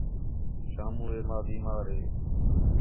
شامو ہے ماں بیمار ہے